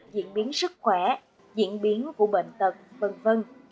diễn biến sức khỏe diễn biến của bệnh tật v v